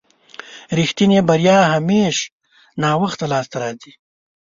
رښتينې بريا همېش ناوخته لاسته راځي.